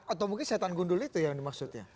atau mungkin setan gundul itu yang dimaksudnya